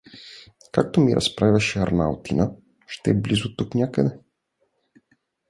— Както ми разправяше арнаутина, ще е близо тук някъде!